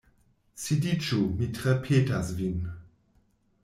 Sidiĝu, mi tre petas vin.